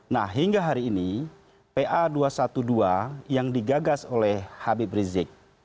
nah hingga hari ini pa dua ratus dua belas yang digagas oleh habib rizik